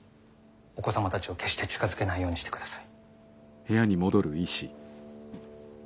お子様たちを決して近づけないようにしてください。